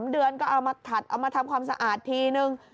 เดือนก็เอามาขัดเอามาทำความสะอาดทีนึง